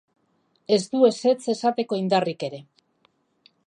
Ez du ezetz esateko indarrik ere.